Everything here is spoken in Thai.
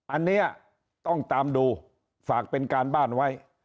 อันนี้ต้องตามดูฝากเป็นการบ้านไว้